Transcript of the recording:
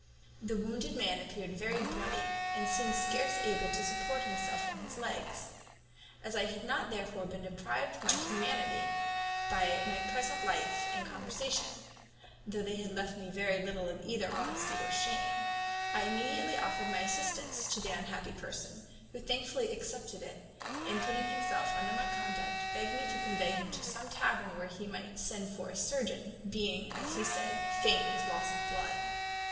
The wounded man appeared very bloody, and seemed scarce able to support himself on his legs. As I had not therefore been deprived of my humanity by my present life and conversation, though they had left me very little of either honesty or shame, I immediately offered my assistance to the unhappy person, who thankfully accepted it, and, putting himself under my conduct, begged me to convey him to some tavern, where he might send for a surgeon, being, as he said, faint with loss of blood.